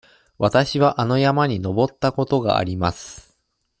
わたしはあの山に登ったことがあります。